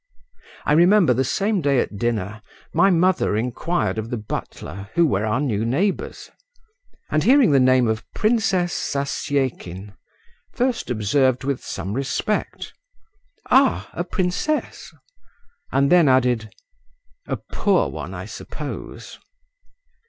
I remember the same day at dinner, my mother inquired of the butler who were our new neighbours, and hearing the name of the Princess Zasyekin, first observed with some respect, "Ah! a princess!" … and then added, "A poor one, I suppose?"